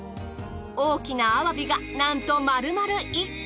大きなあわびがなんと丸々１個。